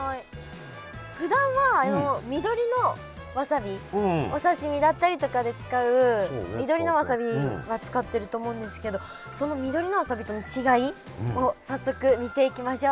ふだんはあの緑のわさびお刺身だったりとかで使う緑のわさびは使ってると思うんですけどその緑のわさびとの違いを早速見ていきましょう。